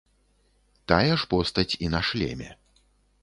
Тая ж постаць і на шлеме.